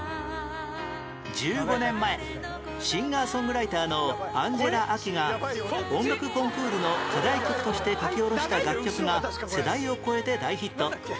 １５年前シンガー・ソングライターのアンジェラ・アキが音楽コンクールの課題曲として書き下ろした楽曲が世代を超えて大ヒット